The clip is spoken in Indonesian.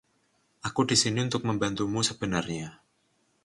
Aku di sini untuk membantumu sebenarnya.